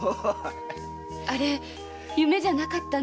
あれ夢じゃなかったんだよ。